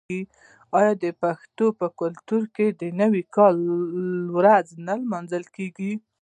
آیا د پښتنو په کلتور کې د نوي کال ورځ نه لمانځل کیږي؟